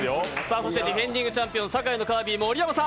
そしてディフェンディングチャンピオン、堺のカービィ盛山さん。